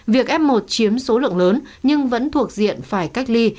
việc f một chiếm số lượng lớn nhưng vẫn thuộc diện phải cách ly